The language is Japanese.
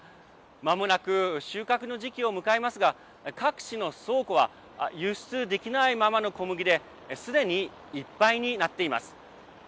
まもなく収穫の時期を迎えますが各地の倉庫は輸出できないままの小麦ですでにいっぱいになっています。